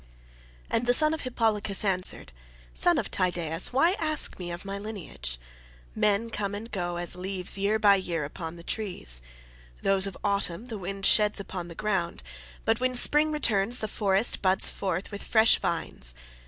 And the son of Hippolochus answered, "Son of Tydeus, why ask me of my lineage? Men come and go as leaves year by year upon the trees. Those of autumn the wind sheds upon the ground, but when spring returns the forest buds forth with fresh vines.